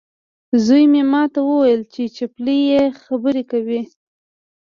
زوی مې ماته وویل چې چپلۍ یې خبرې کوي.